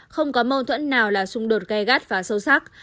không có mâu thuẫn nào là xung đột gây gắt và sâu sắc